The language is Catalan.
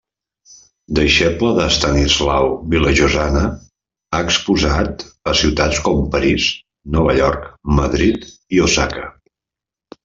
Deixeble d'Estanislau Vilajosana, ha exposat a ciutats com París, Nova York, Madrid i Osaka.